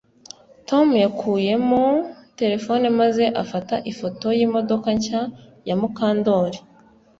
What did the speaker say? Tom yakuyemo terefone maze afata ifoto yimodoka nshya ya Mukandoli